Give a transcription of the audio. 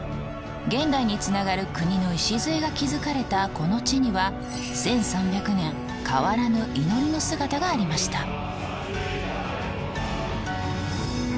現代につながる国の礎が築かれたこの地には１，３００年変わらぬ祈りの姿がありました。